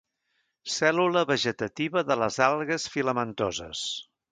Cèl·lula vegetativa de les algues filamentoses.